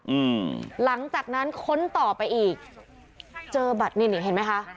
อืมหลังจากนั้นค้นต่อไปอีกเจอบัตรนี่นี่เห็นไหมคะ